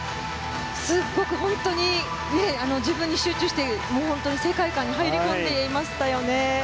すごく本当に自分に集中して世界観に入り込んでいましたね。